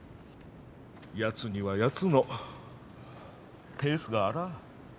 やつにはやつのペースがあらあ。